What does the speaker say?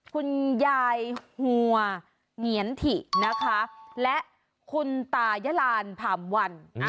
คุณยายหัวเหงียนถินะคะและคุณตายะลานผ่ามวัน